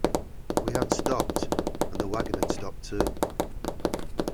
We had stopped, and the waggon had stopped too.